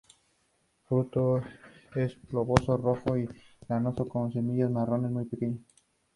El fruto es globoso, rojo y lanoso con semillas marrones muy pequeñas.